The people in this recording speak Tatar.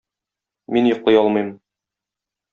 Мин йоклый алмыйм.